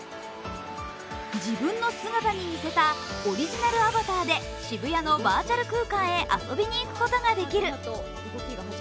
自分の姿に似せたオリジナルアバターで渋谷の街がバーチャル空間へ遊びに行くことができる。